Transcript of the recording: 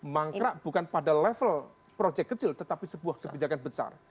mangkrak bukan pada level project kecil tetapi sebuah kebijakan besar